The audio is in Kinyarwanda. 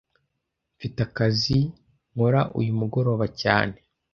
Mfite akazi nkora uyu mugoroba cyane